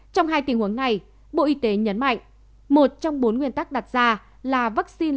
trong hai tình huống này bộ y tế nhấn mạnh một trong bốn nguyên tắc đặt ra là vaccine